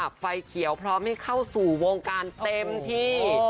ไฟเขียวพร้อมให้เข้าสู่วงการเต็มที่